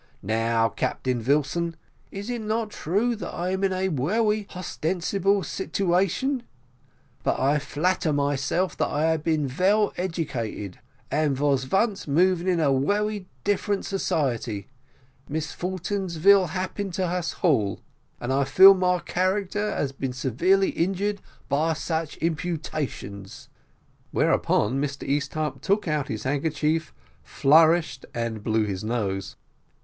Now, Captain Vilson, is it not true that I am in a wery hostensible sitevation, but I flatter myself that I ave been vell edecated, and vos vonce moving in a wery different society misfortains vill appin to us hall, and I feel my character has been severely injured by such impertations;" whereupon Mr Easthupp took out his handkerchief, flourished, and blew his nose.